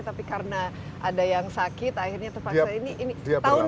tapi karena ada yang sakit akhirnya terpaksa ini